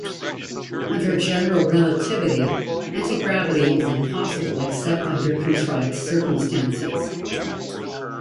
Under general relativity, anti-gravity is impossible except under contrived circumstances.